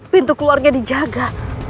pintu keluarnya dijaga